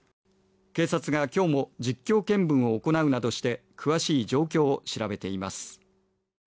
警察が今日も実況見分を行うなどして詳しい状況を調べています。